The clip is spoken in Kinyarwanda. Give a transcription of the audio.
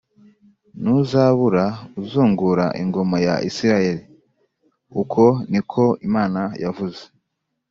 ntuzabura uzungura ingoma ya Isirayeli.’ Uko ni ko Imana yavuze